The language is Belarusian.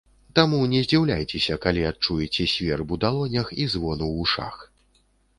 Таму не здзіўляйцеся, калі адчуеце сверб у далонях і звон у вушах.